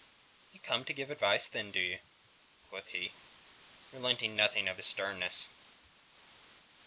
"You come to give advice, then, do you?" quoth he, relenting nothing of his sternness.